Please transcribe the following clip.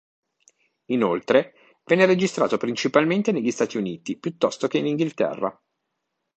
Inoltre, venne registrato principalmente negli Stati Uniti piuttosto che in Inghilterra.